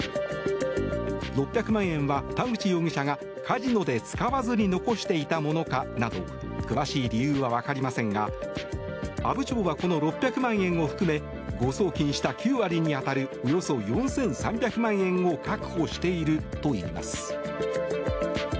６００万円は田口容疑者がカジノで使わずに残していたものかなど詳しい理由は分かりませんが阿武町はこの６００万円を含め誤送金した９割に当たるおよそ４３００万円を確保しているといいます。